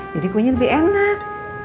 jadi kuenya lebih enak